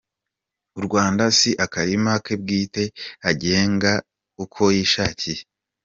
U Rwanda si akarima ke bwite agenga uko yishakiye.